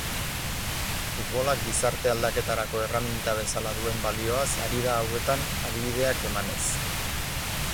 Futbolak gizarte aldaketarako erraminta bezala duen balioaz ari da hauetan adibideak emanez.